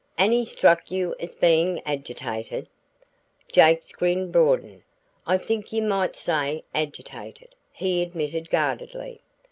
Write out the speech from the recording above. "And he struck you as being agitated?" Jake's grin broadened. "I think you might say agitated," he admitted guardedly.